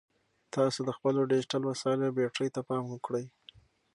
تاسو د خپلو ډیجیټل وسایلو بیټرۍ ته پام وکړئ.